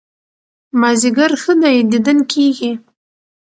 مازيګر ښه دى ديدن کېږي